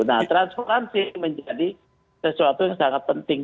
nah transparansi menjadi sesuatu yang sangat penting